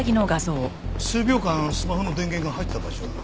数秒間スマホの電源が入ってた場所だな。